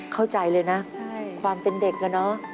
เข้าใจเลยนะความเป็นเด็กอะเนาะ